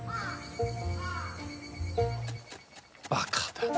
バカだな。